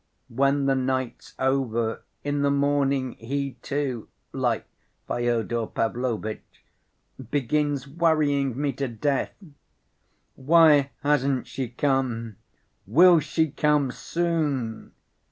When the night's over, in the morning, he, too, like Fyodor Pavlovitch, begins worrying me to death. 'Why hasn't she come? Will she come soon?